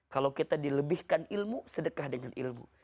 kalau kita dilebihkan ilmu sedekah dengan ilmu